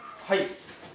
はい。